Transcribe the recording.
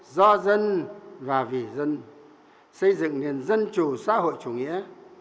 do dân và vì dân xây dựng nền dân chủ xã hội chủ nghĩa